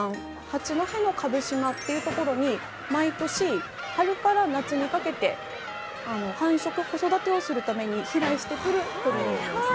八戸の蕪島っていうところに毎年春から夏にかけて繁殖子育てをするために飛来してくる鳥なんです。